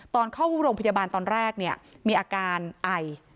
ตอนเข้าโรงพยาบาลตอนแรกเนี่ยมีอาการไอ